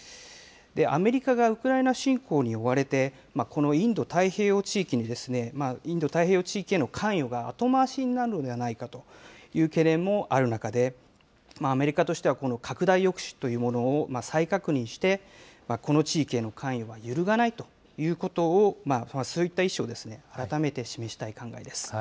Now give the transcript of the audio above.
アメリカがウクライナ侵攻に追われて、このインド太平洋地域への関与が後回しになるのではないかという懸念もある中で、アメリカとしてはこの拡大抑止というものを再確認して、この地域への関与は揺るがないということを、そういった意思を改めて示したい考えです。